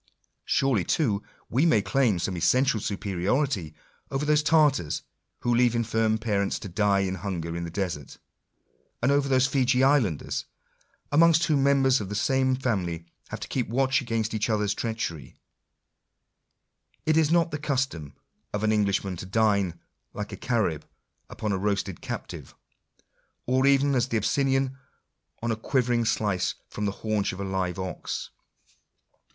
Surely too we may claim some essential superiority over those Tartars who leave infirm parents to die of hunger in the desert ; and over those Feejee islanders, amongst whom members of the same family have to keep watch against each other's treachery/ It is not the custom of an Englishman to dine, like a Caxrib, upon a roasted captive ; or even as the Abyssinian, on a quiver ing slice from the haunch of u live ox.